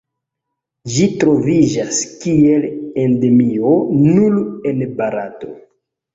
Ĝi troviĝas kiel Endemio nur en Barato.